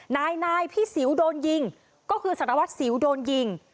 นายพี่สิวโดนยิงก็คือสารวัตรสิวโดนยิง